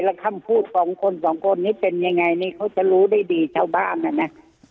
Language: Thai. แล้วคำพูดของคนสองคนนี้เป็นยังไงนี่เขาจะรู้ได้ดีชาวบ้านน่ะนะ